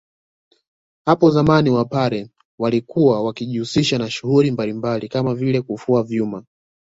Hapo zamani wapare walikuwa wakijihusisha na shughuli mbalmbali Kama vile kufua vyuma